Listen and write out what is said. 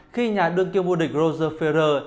khi nhà đương kiếm vua địch roger ferrer